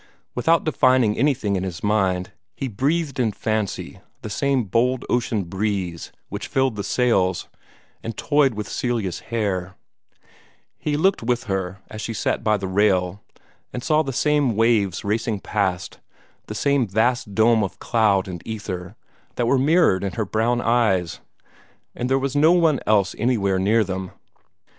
Without defining anything in his mind, he breathed in fancy the same bold ocean breeze which filled the sails, and toyed with Celia's hair; he looked with her as she sat by the rail, and saw the same waves racing past, the same vast dome of cloud and ether that were mirrored in her brown eyes, and there was no one else anywhere near them.